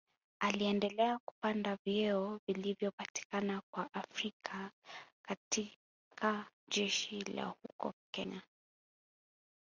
Aliendelea kupanda vyeo vilivyopatikana kwa Waafrika katika jeshi la huko Kenya